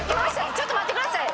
ちょっと見せてください。